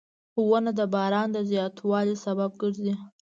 • ونه د باران د زیاتوالي سبب ګرځي.